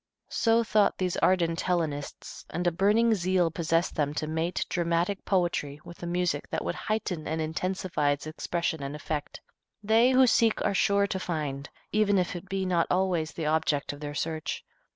So thought these ardent Hellenists, and a burning zeal possessed them to mate dramatic poetry with a music that would heighten and intensify its expression and effect. They who seek are sure to find, even if it be not always the object of their search.